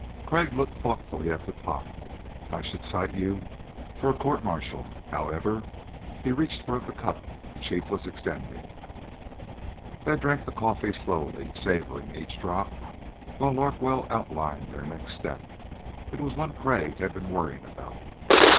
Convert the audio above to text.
Crag looked thoughtfully at the pot. "I should cite you for a court martial. However ..." He reached for the cup the Chief was extending. They drank the coffee slowly, savoring each drop, while Larkwell outlined their next step. It was one Crag had been worrying about.